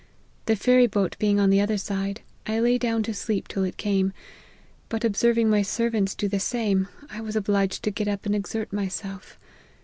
The ferry boat being on the other side, I lay down to sleep till it came, but observing my servants do the same, I was obliged to get up and exert myself.